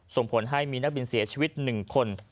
ส่งผลให้มีนักบินเสียชีวิต๑คน